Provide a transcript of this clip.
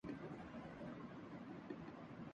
وہ آئین اور قانون کی پابند ہے۔